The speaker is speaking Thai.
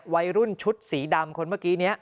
วัยรุ่นชุดสีดำคนเมื่อกี้นี้